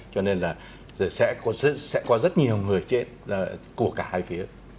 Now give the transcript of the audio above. cho nên là sẽ có rất nhiều người chết của cả hai phía